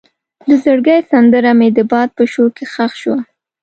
د زړګي سندره مې د باد په شور کې ښخ شوه.